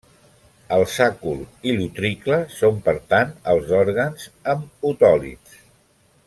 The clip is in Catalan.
El sàcul i l'utricle, són per tant, els òrgans amb otòlits.